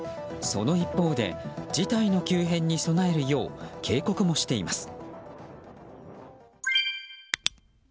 その一方で事態の急変に備えるよう警告もしています。